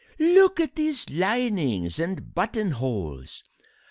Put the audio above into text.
look at these linings and buttonholes!